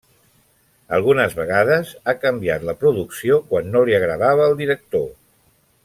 Algunes vegades ha canviat la producció quan no li agradava el director.